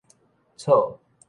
草